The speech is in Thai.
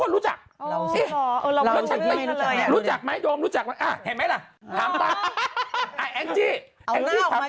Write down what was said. รู้จักหมดเลย